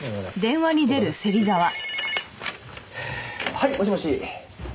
はいもしもし。